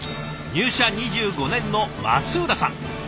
入社２５年の松浦さん。